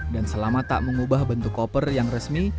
dan selama tak mengubah bentuk koper yang resmi